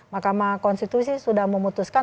mahkamah konstitusi sudah memutuskan